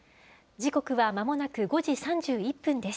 時刻はまもなく５時３１分です。